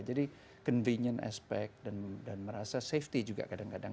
jadi aspek yang mudah dan merasa aman juga kadang kadang